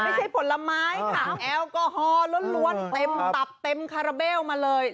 ผลไม้ค่ะแอลกอฮอลล้วนเต็มตับเต็มคาราเบลมาเลย